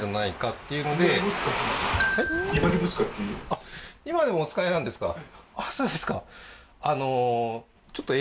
あっ今でもお使いなんですか？